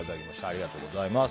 ありがとうございます。